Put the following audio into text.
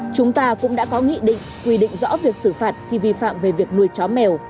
chúng ta cũng đã có nghị định quy định rõ việc xử phạt khi vi phạm về việc nuôi chó mèo